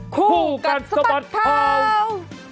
คู่กัดสะบัดข่าว